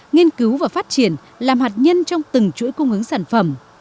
nghiên cứu và phát triển làm hạt nhân trong từng chuỗi cung ứng sản phẩm